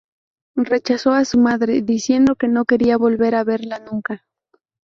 Rechazó a su madre, diciendo que no quería volver a verla nunca.